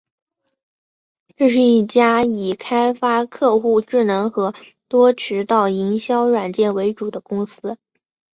这是一家以开发客户智能和多渠道营销软件为主的公司。